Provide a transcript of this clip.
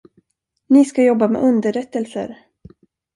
Ni ska jobba med underrättelser.